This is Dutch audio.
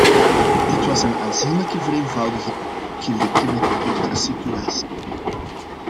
Dit was een aanzienlijke vereenvoudiging vergeleken met de eerdere situatie.